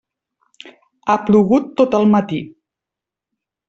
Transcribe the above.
Ha plogut tot el matí.